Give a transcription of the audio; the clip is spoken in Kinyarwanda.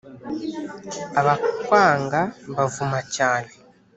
Abakwanga mbavuma cyane.